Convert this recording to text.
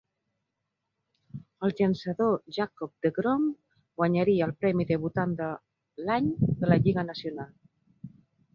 El llançador Jacob deGrom guanyaria el premi Debutant de l'any de la Lliga Nacional.